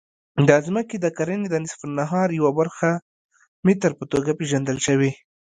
د ځمکې د کرې د نصف النهار یوه برخه متر په توګه پېژندل شوې.